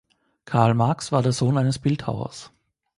Karl Marx war der Sohn eines Bildhauers.